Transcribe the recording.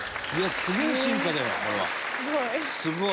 すげえ進化だよこれは。すごい。